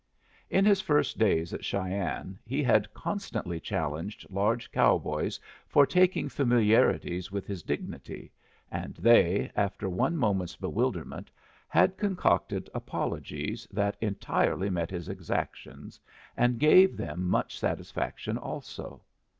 In his first days at Cheyenne he had constantly challenged large cowboys for taking familiarities with his dignity, and they, after one moment's bewilderment, had concocted apologies that entirely met his exactions, and gave them much satisfaction also.